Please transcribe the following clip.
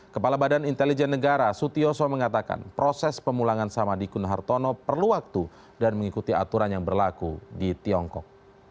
kepala badan intelijen negara sutioso mengatakan proses pemulangan samadikun hartono perlu waktu dan mengikuti aturan yang berlaku di tiongkok